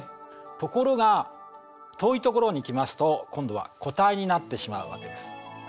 ところが遠いところに行きますと今度は固体になってしまうわけです。